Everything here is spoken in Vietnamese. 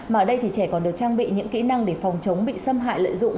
mà ở đây thì trẻ còn được trang bị những kỹ năng để phòng chống bị xâm hại lợi dụng